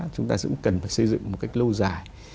chúng ta cũng cần phải xây dựng một cách lâu dài